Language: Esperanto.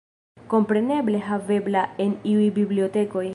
Kompreneble havebla en iuj bibliotekoj.